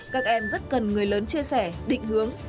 các em rất cần người lớn chia sẻ định hướng